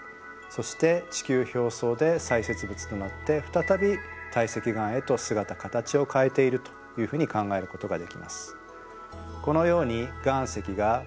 そして地球表層で砕屑物となって再び堆積岩へと姿形を変えているというふうに考えることができます。